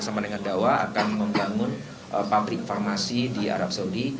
bersama dengan dawa akan membangun pabrik farmasi di arab saudi